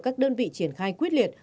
các đơn vị triển khai quyết liệt